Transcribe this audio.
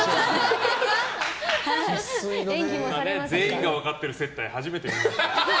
全員が分かってる接待初めて見た。